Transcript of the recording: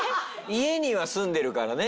家には住んでるからね。